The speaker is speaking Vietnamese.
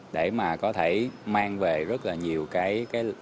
để có thể mang về rất nhiều các dịch vụ